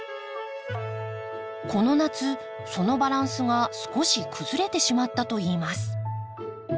この夏そのバランスが少し崩れてしまったといいます。